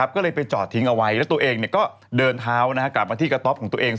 ก็เลยไปจอดทิ้งเอาไว้แล้วตัวเองก็เดินเท้ากลับมาที่กระต๊อปของตัวเอง